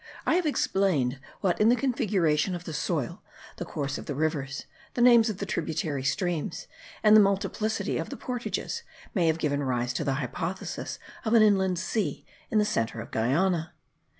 I have explained what in the configuration of the soil, the course of the rivers, the names of the tributary streams, and the multiplicity of the portages, may have given rise to the hypothesis of an inland sea in the centre of Guiana.